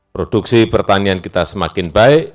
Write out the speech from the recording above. produksi pertanian kita semakin baik